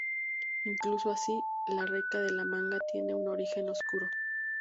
Incluso así, la Reika del manga tiene un origen oscuro.